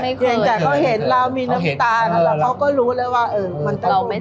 ไม่เคยแต่ก็เห็นเรามีน้ำตาแล้วเราก็รู้แล้วว่าเออ